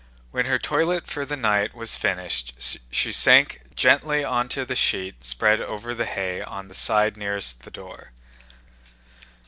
When her toilet for the night was finished she sank gently onto the sheet spread over the hay on the side nearest the door.